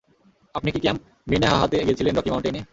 আপনি কি ক্যাম্প মিনেহাহাতে গিয়েছিলেন রকি মাউন্টেইনে?